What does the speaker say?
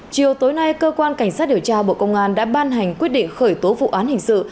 chiều tối nay cơ quan cảnh sát điều tra bộ công an đã ban hành quyết định khởi tố vụ án hình sự